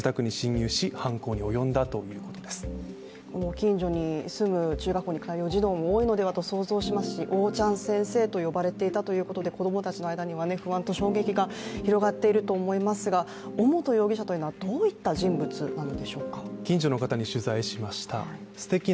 近所に住む中学校に通う児童も多いと思いますがおーちゃん先生と呼ばれていたということで子供たちの間には不安と衝撃が広がっていると思いますが、尾本容疑者というのはどういった人物なのでしょうか。